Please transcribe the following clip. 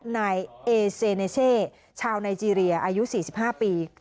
นายเอเซเนเช่ชาวไนเจรียอายุ๔๕ปี